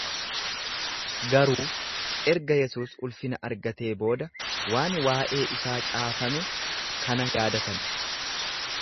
Garuu erga Yesuus ulfina argatee booda waan waa’ee isaa caafame kana yaadatan.